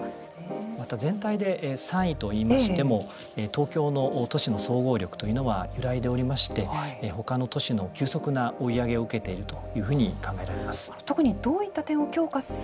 また、全体で３位といいましても東京の都市の総合力というのは揺らいでおりまして他の都市の急速な追い上げを受けているというふうに考えられます。